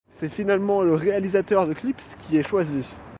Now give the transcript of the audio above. C'est finalement le réalisateur de clips qui est choisi.